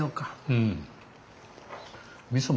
うん。